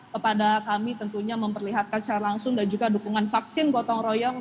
kepada kami tentunya memperlihatkan secara langsung dan juga dukungan vaksin gotong royong